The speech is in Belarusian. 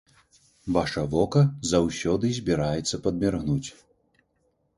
Ваша вока заўсёды збіраецца падміргнуць.